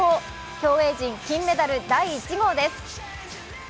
競泳陣金メダル第１号です。